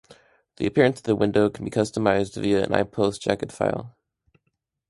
The appearance of the window can be customized via an iPulse Jacket file.